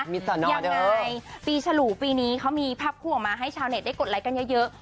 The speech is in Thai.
ยังไงปีฝรูปีนี้เขามีภาพคนเค้าออกมาให้เช้าเมตได้กดไลฟ์กันเยอะ